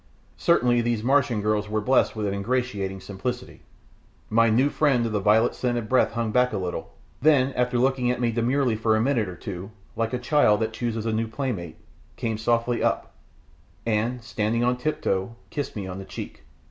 Certainly these Martian girls were blessed with an ingratiating simplicity. My new friend of the violet scented breath hung back a little, then after looking at me demurely for a minute or two, like a child that chooses a new playmate, came softly up, and, standing on tiptoe, kissed me on the cheek.